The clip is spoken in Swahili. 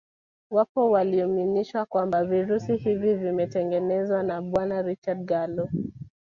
Wapo walioaminishwa kwamba virusi hivi vimetengenezwa na Bwana Richard Gallo